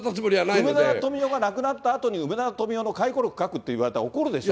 梅沢富美男が亡くなったあとに、梅沢富美男の回顧録書くって言ったら、怒るでしょ？